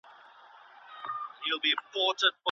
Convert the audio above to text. په قلم لیکنه کول د نوي نسل د ویښتیا نښه ده.